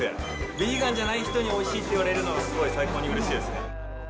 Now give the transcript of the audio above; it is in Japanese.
ヴィーガンじゃない人においしいって言われるの、すごい最高にうれしいですね。